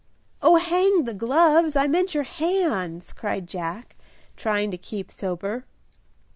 "Oh, hang the gloves! I meant your hands," cried Jack, trying to keep sober.